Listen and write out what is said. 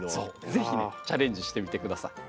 是非ねチャレンジしてみて下さい。